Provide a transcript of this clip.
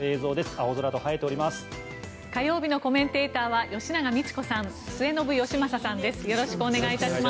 青空と映えております。